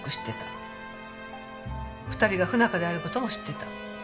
２人が不仲である事も知ってた。